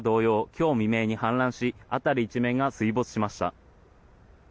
今日未明に氾濫し辺り一面が水没しました。